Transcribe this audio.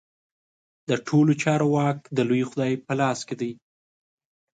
د ټولو چارو واک د لوی خدای په لاس کې دی.